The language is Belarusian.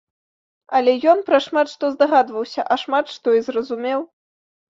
Але ён пра шмат што здагадваўся, а шмат што і зразумеў.